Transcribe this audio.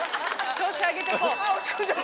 調子上げていこう。